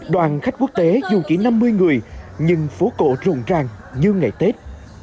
đoàn khách quốc tế dù chỉ năm mươi người nhưng phố cổ rộn ràng như ngày tết